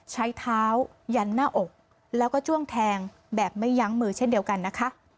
ใช้เท้ายันหน้าอกแล้วก็จ้วงแทงแบบไม่ยั้งมือเช่นเดียวกันนะคะ